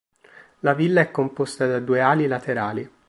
La villa è composta da due ali laterali.